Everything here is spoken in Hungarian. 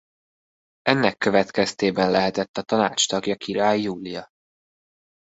Ennek következtében lehetett a Tanács tagja Király Júlia.